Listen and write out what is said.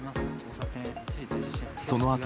そのあと